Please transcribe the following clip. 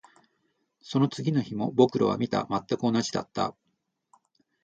その次の日も僕らは見た。全く同じだった。